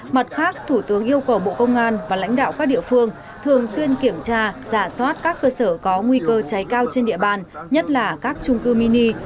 mặt khác thủ tướng yêu cầu bộ công an và lãnh đạo các địa phương thường xuyên kiểm tra giả soát các cơ sở có nguy cơ cháy cao trên địa bàn nhất là các trung cư mini